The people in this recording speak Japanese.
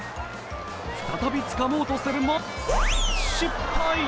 再びつかもうとするも、失敗。